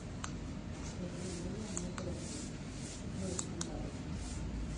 És una noia molt coratjosa: no l'espanta res.